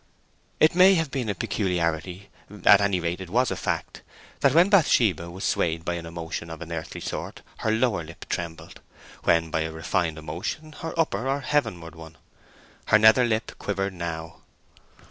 It may have been a peculiarity—at any rate it was a fact—that when Bathsheba was swayed by an emotion of an earthly sort her lower lip trembled: when by a refined emotion, her upper or heavenward one. Her nether lip quivered now.